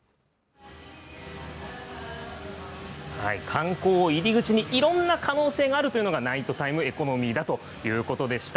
観光を入り口に、いろんな可能性があるというのが、ナイトタイムエコノミーだということでした。